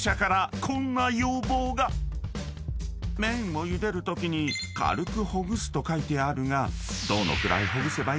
［麺をゆでるときに「軽くほぐす」と書いてあるが］